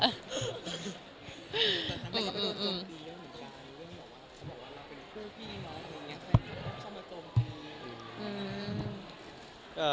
อืม